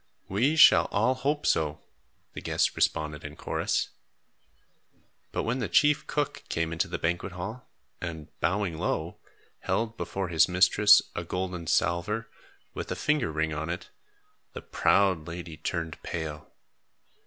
"We shall all hope so," the guests responded in chorus. But when the chief cook came into the banquet hall, and, bowing low, held before his mistress a golden salver, with a finger ring on it, the proud lady turned pale.